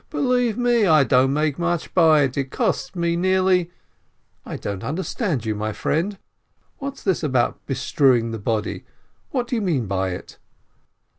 Believe me, I don't make much by it, it costs me nearly. ... }i "I don't understand you, my friend! What's this about bestrewing the body ? What do you mean by it